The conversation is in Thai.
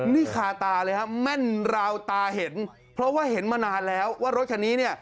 นี่คาตาเลยครับแม่นราวตาเห็นเพราะว่าเห็นมานานแล้วว่ารถคันนี้เนี่ย